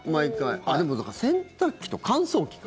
でも、だから洗濯機と乾燥機か。